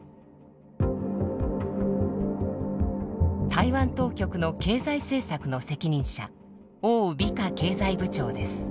台湾当局の経済政策の責任者王美花経済部長です。